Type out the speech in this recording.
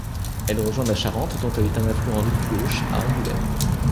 Elle rejoint la Charente dont elle est un affluent rive gauche, à Angoulême.